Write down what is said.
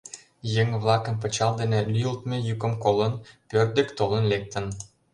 Еҥ-влакын пычал дене лӱйылтмӧ йӱкым колын, пӧрт дек толын лектын.